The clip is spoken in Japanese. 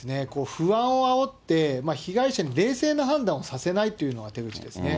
不安をあおって、被害者に冷静な判断をさせないっていうのが手口ですね。